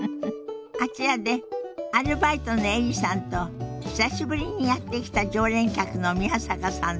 あちらでアルバイトのエリさんと久しぶりにやって来た常連客の宮坂さんのおしゃべりが始まりそうよ。